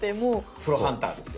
プロハンターですよ。